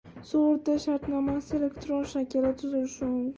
Sug‘urta shartnomasi elektron shaklda tuzilishi mumkin